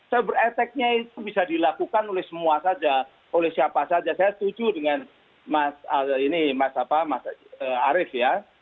cyber attack nya itu bisa dilakukan oleh semua saja oleh siapa saja saya setuju dengan mas arief ya